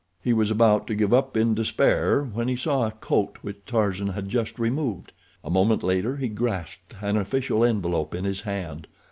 He was about to give up in despair when he saw a coat which Tarzan had just removed. A moment later he grasped an official envelope in his hand.